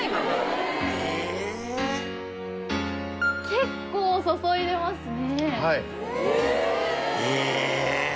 結構注いでますね。